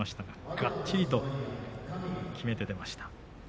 がっちりと、きめて出ました。